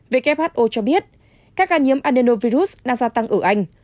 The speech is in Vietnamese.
who cho biết các ca nhiễm andenovirus đang gia tăng ở anh